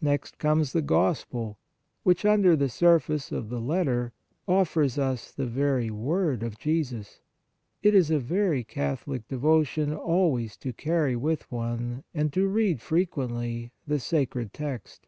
Next comes the 62 Devotions Gospel, which under the surface of the letter offers us the very word of Jesus : it is a very Catholic devotion always to carry with one, and to read frequently, the sacred text.